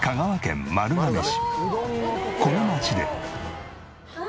この町で。